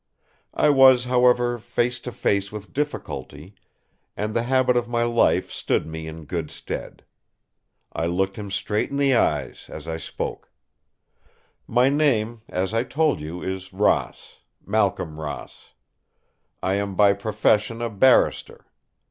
I was, however, face to face with difficulty; and the habit of my life stood me in good stead. I looked him straight in the eyes as I spoke: "My name, as I told you, is Ross, Malcolm Ross. I am by profession a Barrister.